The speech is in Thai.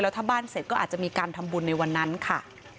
ถ้าบ้านเสร็จก็อาจจะมีการทำบุญในวันนั้นค่ะ